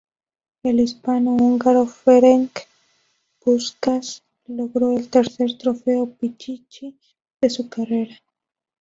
El hispano-húngaro Ferenc Puskás logró el tercer Trofeo Pichichi de su carrera.